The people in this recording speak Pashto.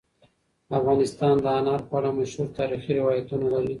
افغانستان د انار په اړه مشهور تاریخی روایتونه لري.